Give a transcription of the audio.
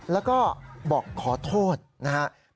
แล้วก็บอกขอโทษนะครับ